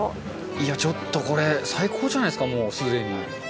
いやちょっとこれ最高じゃないですかもうすでに。